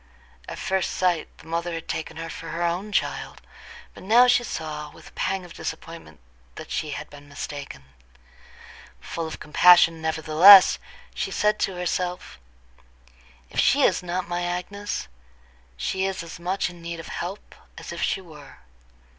At first sight the mother had taken her for her own child, but now she saw, with a pang of disappointment, that she had mistaken. Full of compassion, nevertheless, she said to herself: "If she is not my Agnes, she is as much in need of help as if she were.